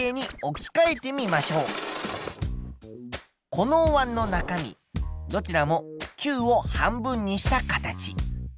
このおわんの中身どちらも球を半分にした形。